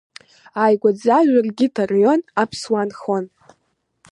Ааигәаӡа Жәыргьыҭ араион аԥсуаа нхон.